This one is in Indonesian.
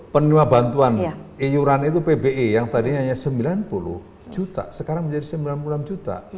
penua bantuan iuran itu pbi yang tadinya sembilan puluh juta sekarang menjadi sembilan puluh enam juta